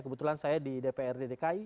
kebetulan saya di dprd dki